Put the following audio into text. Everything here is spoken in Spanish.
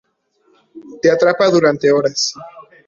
Te atrapa durante horas.